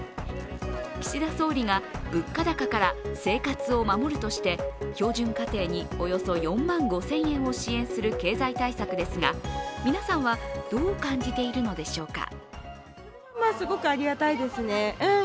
岸田総理が物価高から生活を守るとして標準家庭におよそ４万５０００円を支援する経済対策ですが、皆さんはどう感じているのでしょうか。